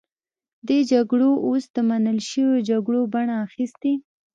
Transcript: دې جګړو اوس د منل شویو جګړو بڼه اخیستې.